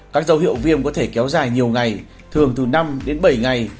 các dấu hiệu viêm có thể kéo dài nhiều ngày thường từ năm đến bảy ngày